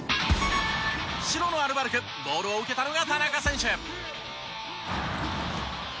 白のアルバルクボールを受けたのが田中選手。